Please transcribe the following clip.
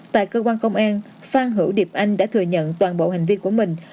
tại cơ quan công an phan hữu điệp anh đã thừa nhận toàn bộ hành vi của mình